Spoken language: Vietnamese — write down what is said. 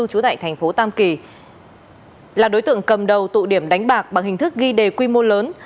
chú tại thành phố tam kỳ là đối tượng cầm đầu tụ điểm đánh bạc bằng hình thức ghi đề quy mô lớn